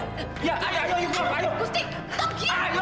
mary asli aduh tunggu